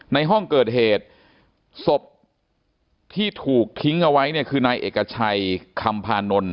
ในห้องเกิดเหตุศพที่ถูกทิ้งเอาไว้เนี่ยคือนายเอกชัยคำพานนท์